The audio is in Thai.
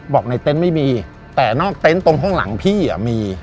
บอกในเต็นต์ไม่มีแต่เต็นต์ตรงห้องหลังพี่มี